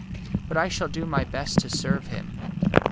But I shall do my best to serve him.